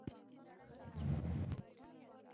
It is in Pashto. د جهیل غاړې له تفریح ځایونو سره یې مقایسه کړئ